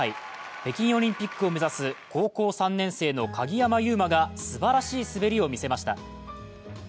北京オリンピックを目指す高校３年生の鍵山優真がすばらしい滑りを見せました。